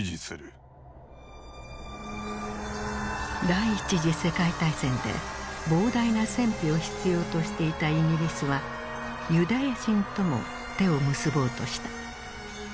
第一次世界大戦で膨大な戦費を必要としていたイギリスはユダヤ人とも手を結ぼうとした。